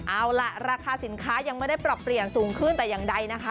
เอาล่ะราคาสินค้ายังไม่ได้ปรับเปลี่ยนสูงขึ้นแต่อย่างใดนะคะ